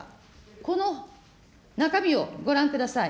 この中身をご覧ください。